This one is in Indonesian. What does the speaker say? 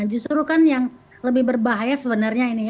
justru kan yang lebih berbahaya sebenarnya ini